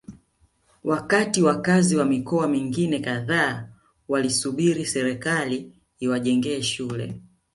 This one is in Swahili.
wakati wakazi wa mikoa mingine kadhaa walisubiri serikali iwajengee shule